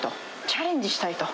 チャレンジしたいと。